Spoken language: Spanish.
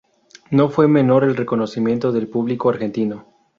No fue menor el reconocimiento del público argentino.